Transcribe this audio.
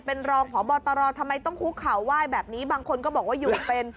เป็นรองพบตรทำไมต้องคุกเข่าไหว้แบบนี้บางคนก็บอกว่าอยู่เป็น